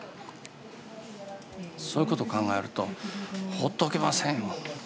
そういうことを考えるとほっとけませんよ。